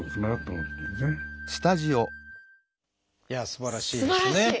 いやあすばらしいですね。